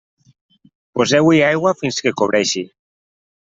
Poseu-hi aigua fins que cobreixi.